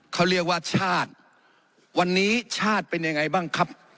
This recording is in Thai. เขาเรียกว่าชาติวันนี้ชาติเป็นยังไงบ้างครับ